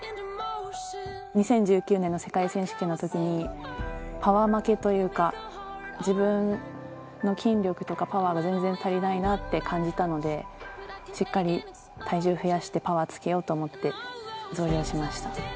２０１９年の世界選手権のときに、パワー負けというか、自分の筋力とか、パワーが全然足りないなって感じたので、しっかり体重増やして、パワーつけようと思って増量しました。